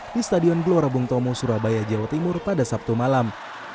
di stadion gelora bung tomo surabaya jawa timur pada sabtu malam